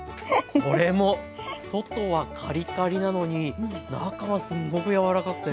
これも外はカリカリなのに中はすんごく柔らかくて。